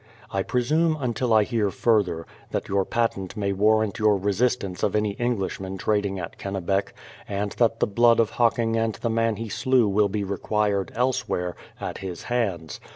I presume, until I hear further, that your patent may warrant your resistance of any Englishmen trading at Kennebec, and that the blood of Hocking and the man he slew will be required, elsewhere, at his hands.